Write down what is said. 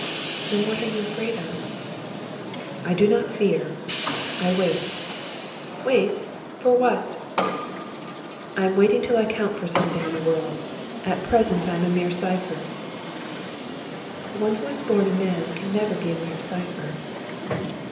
"Then what are you afraid of?" "I do not fear, I wait." "Wait! For what?" "I am waiting till I count for something in the world; at present I am a mere cipher." "One who is born a man can never be a mere cipher."